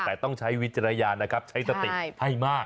แต่ต้องใช้วิจารณญาณนะครับใช้สติให้มาก